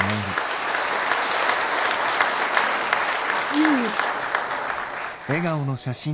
ゆい。